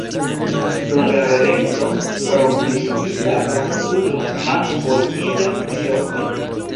Dum gravedeco, pro pliigita postulo, mankoj iĝas pli oftaj.